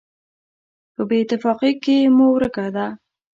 په بېاتفاقۍ کې مو ورکه ده.